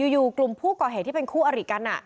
อยู่กลุ่มผู้ก่อเหตุที่เป็นคู่อริกัน